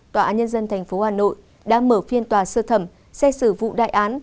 tòa án nhân dân tp hà nội đã mở phiên tòa sơ thẩm xét xử vụ đại án